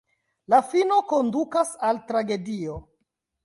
La fino kondukas al tragedio.